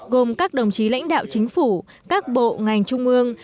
gồm các đồng chí lãnh đạo chính phủ các bộ ngành trung ương